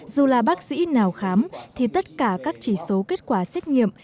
dù là bác sĩ nào khám thì tất cả các chỉ số kết quả xét nghiệm